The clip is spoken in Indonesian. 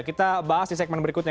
kita bahas di segmen berikutnya